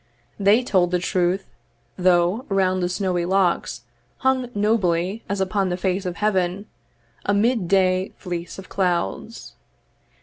They told the truth, though, round, the snowy locks Hung nobly, as upon the face of heaven A mid day fleece of clouds.